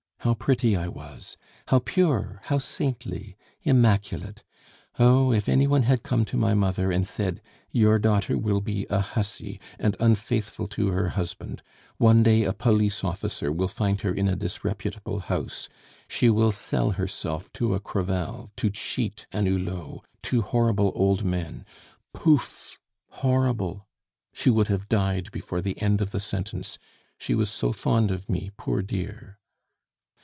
How pretty I was! How pure, how saintly! immaculate! Oh! if any one had come to my mother and said, 'Your daughter will be a hussy, and unfaithful to her husband; one day a police officer will find her in a disreputable house; she will sell herself to a Crevel to cheat a Hulot two horrible old men ' Poof! horrible she would have died before the end of the sentence, she was so fond of me, poor dear!